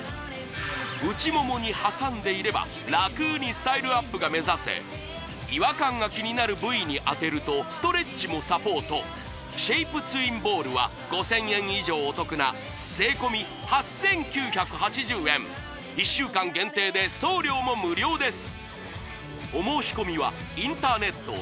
内ももに挟んでいれば楽にスタイルアップが目指せ違和感が気になる部位に当てるとストレッチもサポートシェイプツインボールは５０００円以上お得な税込８９８０円１週間限定で送料も無料です